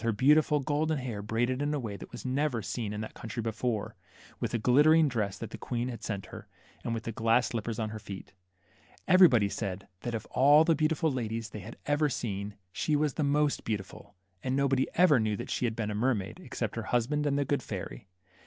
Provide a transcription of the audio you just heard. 23 beautiful golden hair braided in a way that was never seen in that country before ; with the glitter ing dress that the Queen had sent her ; and with the glass slippers on her feet. Everybody said that of all the beautiful ladies they had ever seen, she was the most beautiful ; and nobody ever knew that she had been a mermaid, except her husband and the good fairy.